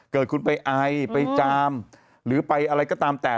เกิดคุณไปไอไปจามหรือไปอะไรก็ตามแต่